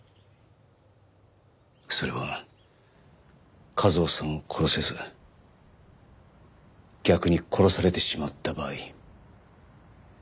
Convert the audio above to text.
それは一雄さんを殺せず逆に殺されてしまった場合。